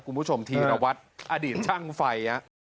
คุณผู้ชมทีรวัตน์อดีตช่างไฟน่ะ